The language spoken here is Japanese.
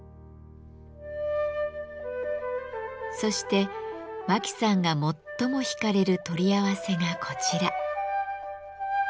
そして真木さんが最も引かれる取り合わせがこちら。